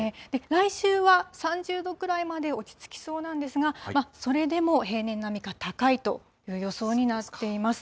来週は３０度くらいまで落ち着きそうなんですが、それでも平年並みか高いという予想になっています。